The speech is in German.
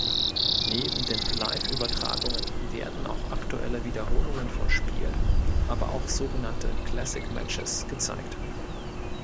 Neben den Live-Übertragungen werden auch aktuelle Wiederholungen von Spielen, aber auch sogenannte Classic-Matches gezeigt.